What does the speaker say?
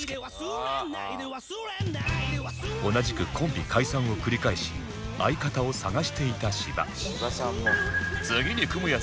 同じくコンビ解散を繰り返し相方を探していた芝